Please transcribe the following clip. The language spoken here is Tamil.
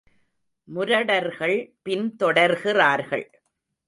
முரடர்கள் பின் தொடர்கிறார்கள்.